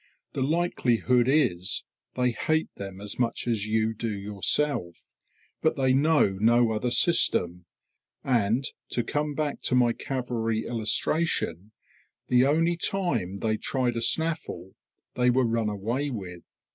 The likelihood is, they hate them as much as you do yourself; but they know no other system; and, to come back to my cavalry illustration, the only time they tried a snaffle, they were run away with.